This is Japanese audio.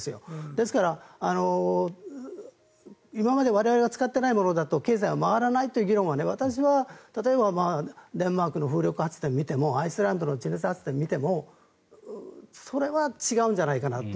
ですから、今まで我々が使っていないものだと経済は回らないという議論だと私は例えばデンマークの風量発電を見てもアイスランドの地熱発電を見てもそれは違うんじゃないかなと。